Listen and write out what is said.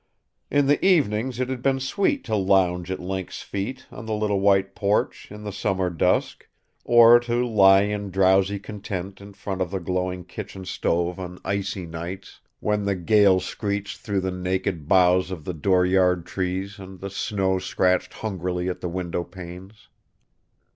In the evenings it had been sweet to lounge at Link's feet, on the little white porch, in the summer dusk; or to lie in drowsy content in front of the glowing kitchen stove on icy nights when the gale screeched through the naked boughs of the dooryard trees and the snow scratched hungrily at the window panes.